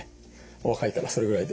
お若いからそれぐらいで。